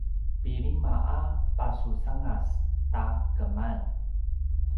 pilima a pasusangas ta keman